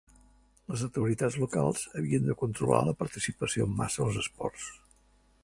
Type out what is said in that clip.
Les autoritats locals havien de controlar la participació en massa als esports.